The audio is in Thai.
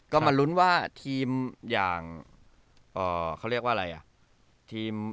ก็มาลุ้นว่าทีมอย่างเขาเรียกว่าอะไรอ่ะทีม